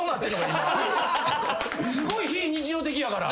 すごい非日常的やから。